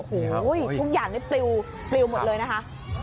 โอ้โฮทุกอย่างเปลี่ยวเปลี่ยวหมดเลยนะคะ